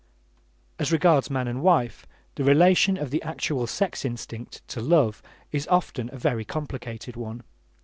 As regards man and wife, the relation of the actual sex instinct to love is often a very complicated one.